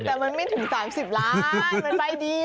แต่มันไม่ถูก๓๐ล้านโมงเป็นไล่เดียว